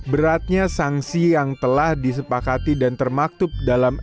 beratnya sanksi yang telah disepakati dan termaktub dalam